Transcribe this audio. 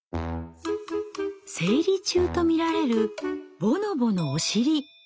生理中と見られるボノボのおしり。